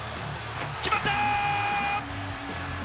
決まった！